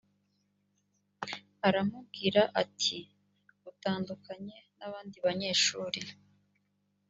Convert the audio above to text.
aramubwira ati utandukanye n abandi banyeshuri